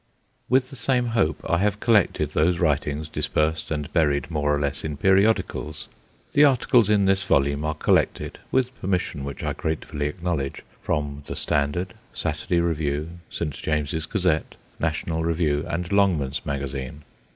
With the same hope I have collected those writings, dispersed and buried more or less in periodicals. The articles in this volume are collected with permission which I gratefully acknowledge from The Standard, Saturday Review, St. James's Gazette, National Review, and Longman's Magazine.